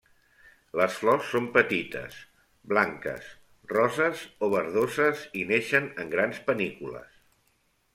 Les flors són petites, blanques, roses o verdoses i neixen en grans panícules.